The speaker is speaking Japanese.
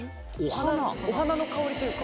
お花の香りというか。